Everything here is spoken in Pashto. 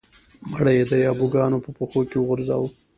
مړی یې د یابو ګانو په پښو کې وغورځاوه.